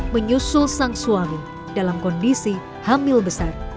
menyusul sang suami dalam kondisi hamil besar